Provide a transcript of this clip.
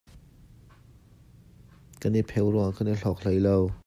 Kan i pheo ruangah kan i hlawk hlei lo.